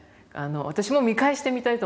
私も見返してみたいと思っています